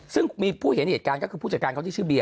ซึ่งมีผู้เห็นเหตุการณ์ก็คือผู้จัดการเขาที่ชื่อเบียร์